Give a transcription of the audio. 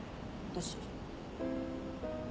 私。